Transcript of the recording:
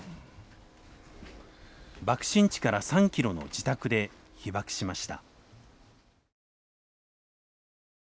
爆心地から３キロの自宅で被爆しました。